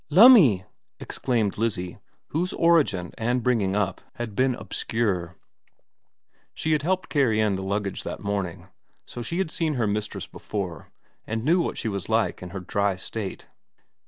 ' Lumme !' exclaimed Lizzie, whose origin and bringing up had been obscure. She had helped carry in the luggage that morning, so she had seen her mistress before and knew what she was like in her dry state.